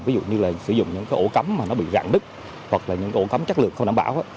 ví dụ như sử dụng những ổ cấm bị rạn đứt hoặc những ổ cấm chất lượng không đảm bảo